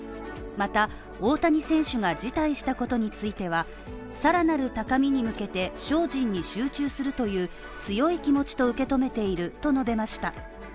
また、大谷選手が辞退したことについてはさらなる高みに向けて精進に集中するという強い気持ちと受け止めていると述べました。